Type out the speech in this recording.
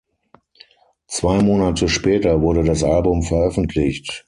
Zwei Monate später wurde das Album veröffentlicht.